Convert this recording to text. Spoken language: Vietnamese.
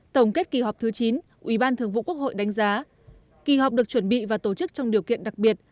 tổng kết kỳ họp thứ chín ủy ban thường vụ quốc hội đánh giá kỳ họp được chuẩn bị và tổ chức trong điều kiện đặc biệt